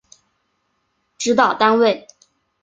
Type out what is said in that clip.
指导单位